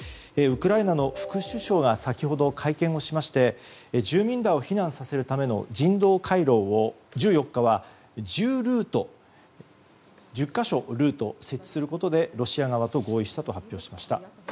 ウクライナの副首相が先ほど会見をしまして住民らを避難させるための人道回廊を１４日は、１０か所のルートを設置することでロシア側と合意したと発表しました。